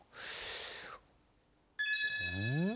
うん？